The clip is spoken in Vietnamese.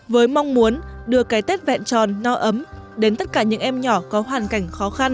với mong muốn đưa cái tết vẹn tròn no ấm đến tất cả những em nhỏ có hoàn cảnh khó khăn